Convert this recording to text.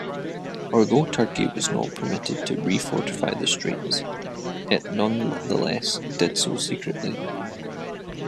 Although Turkey was not permitted to refortify the Straits, it nonetheless did so secretly.